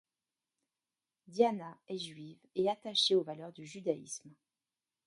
Dianna est juive et attachée aux valeurs du judaïsme.